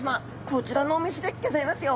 こちらのお店でギョざいますよ。